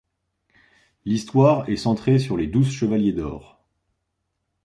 L'histoire est centrée sur les douze chevaliers d'or.